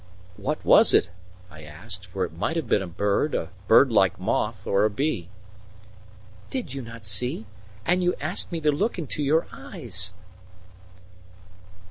"What was it?" I asked, for it might have been a bird, a bird like moth, or a bee. "Did you not see? And you asked me to look into your eyes!"